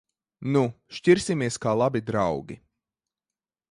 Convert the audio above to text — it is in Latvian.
Nu! Šķirsimies kā labi draugi.